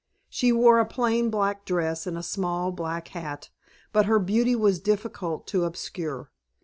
She wore a plain black dress and a small black hat, but her beauty was difficult to obscure.